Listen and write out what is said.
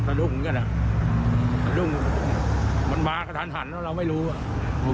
ปัดโดดเลยยังว่าโทรศัพท์รู้กัน